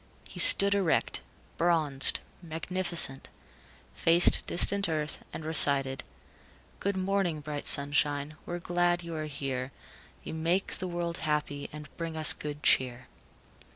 He stood erect, bronzed, magnificent, faced distant Earth, and recited: "Good morning, bright sunshine, We're glad you are here. You make the world happy, And bring us good cheer."